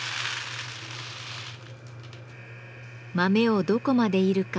豆をどこまで煎るか